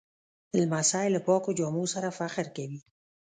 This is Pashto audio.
لمسی له پاکو جامو سره فخر کوي.